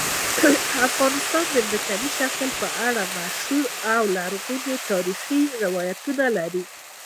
افغانستان د ځمکني شکل په اړه مشهور او لرغوني تاریخی روایتونه لري.